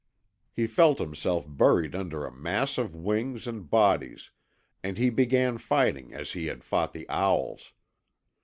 He felt himself buried under a mass of wings and bodies, and he began fighting, as he had fought the owls.